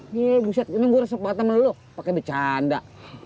nih buset ini gue harus sempat sama lu pakai bercanda